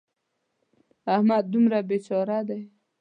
احمد دومره بې چاره دی.